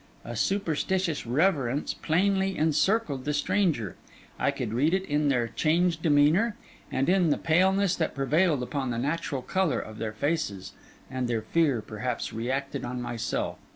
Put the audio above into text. A superstitious reverence plainly encircled the stranger; I could read it in their changed demeanour, and in the paleness that prevailed upon the natural colour of their faces; and their fear perhaps reacted on myself.